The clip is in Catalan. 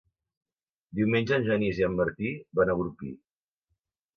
Diumenge en Genís i en Martí van a Orpí.